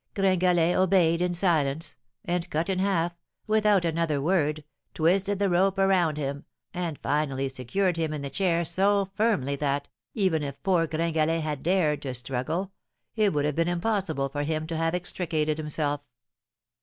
Gringalet obeyed in silence, and Cut in Half, without another word, twisted the rope around him, and finally secured him in the chair so firmly that, even if poor Gringalet had dared to struggle, it would have been impossible for him to have extricated himself.